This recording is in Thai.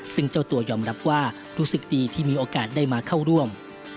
ซึ่งเจ้าตัวยอมรับว่ารู้สึกดีที่มีโอกาสได้มาเข้าร่วม